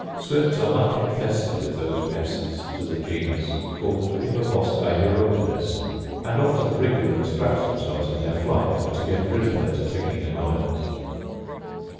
Swifts are much infested with those pests to the genus called hippoboscae hirundinis; and often wriggle and scratch themselves, in their flight, to get rid of that clinging annoyance.